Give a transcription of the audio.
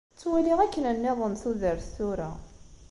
Ttwaliɣ akken nniḍen tudert tura.